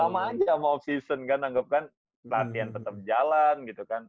sama aja sama of season kan anggap kan pelatihan tetap jalan gitu kan